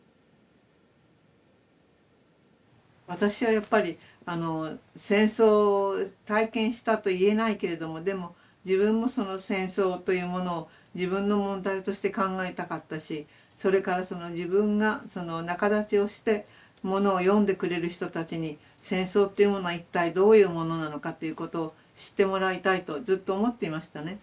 私はやっぱり戦争を体験したと言えないけれどもでも自分もその戦争というものを自分の問題として考えたかったしそれから自分が仲立ちをしてものを読んでくれる人たちに戦争っていうものは一体どういうものなのかということを知ってもらいたいとずっと思っていましたね。